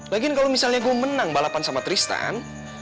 lagiin kalau misalnya gue menang balapan sama tristan